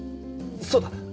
そうだ！